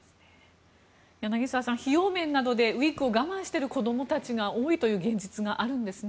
柳澤さん、費用面などでウィッグを我慢している子どもたちが多いという現実があるんですね。